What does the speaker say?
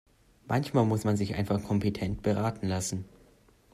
Manchmal muss man sich einfach kompetent beraten lassen.